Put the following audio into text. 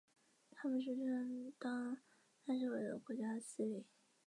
他们声称当那是为了国家的私利。